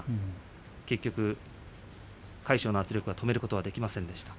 結局、魁勝の圧力を止めることはできませんでした。